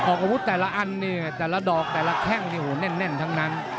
ออกอาวุธแต่ละอันเนี่ยแต่ละดอกแต่ละแข้งแน่นทั้งนั้น